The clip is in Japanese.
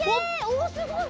おおすごい！